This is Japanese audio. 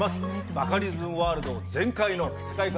バカリズムワールド全開の世界観